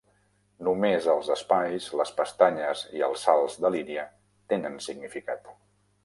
Només els espais, les pestanyes i els salts de línia tenen significat.